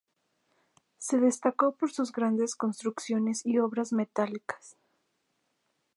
Se destacó por sus grandes construcciones y obras metálicas.